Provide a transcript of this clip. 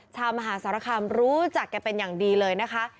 มหาสารคามรู้จักแกเป็นอย่างดีเลยนะคะ